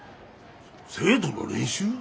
生徒の練習？